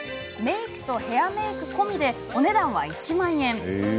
メークとヘアメーク込みでお値段は１万円。